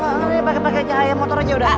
gapapa pakai pakai cahaya motor aja udah